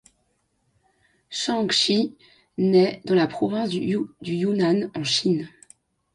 Shang-Chi naît dans la province du Hunan en Chine.